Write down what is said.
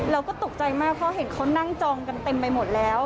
เราก็ตกใจมากเพราะเห็นเขานั่งจองกันเต็มไปหมดแล้ว